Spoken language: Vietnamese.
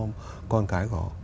các con cái của họ